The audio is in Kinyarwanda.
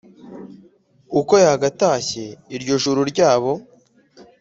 Uko yagatashye iryo juru ryabo